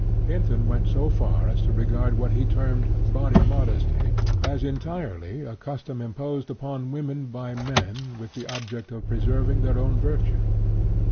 Hinton went so far as to regard what he termed "body modesty," as entirely a custom imposed upon women by men with the object of preserving their own virtue.